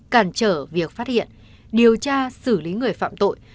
cản trở việc phát hiện điều tra xử lý người phạm tội